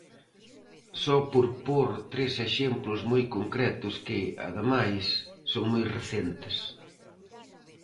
Só por pór tres exemplos moi concretos, que, ademais, son moi recentes.